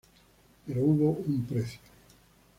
Pero hubo un precio.